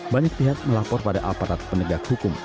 banyak pihak melapor pada aparat penegak hukum